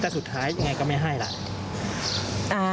แต่สุดท้ายยังไงก็ไม่ให้ล่ะ